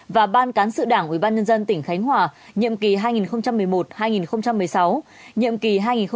và ban cán sự đảng ủy ban nhân dân tỉnh khánh hòa nhiệm kỳ hai nghìn một mươi một hai nghìn một mươi sáu nhiệm kỳ hai nghìn một mươi sáu hai nghìn hai mươi một